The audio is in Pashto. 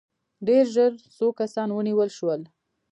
ډېر ژر څو کسان ونیول شول.